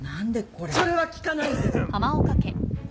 それは聞かないで。